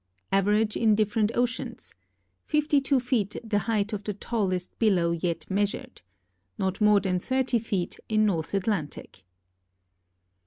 Average in Different Oceans Fifty Two Feet the Height of the Tallest Billow Yet Measured Not More Than Thirty Feet in North Atlantic.